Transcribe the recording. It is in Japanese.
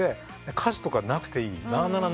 「歌詞とかなくていい。